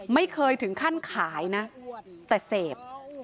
ไม่เคยถึงขั้นขายนะแต่เสพ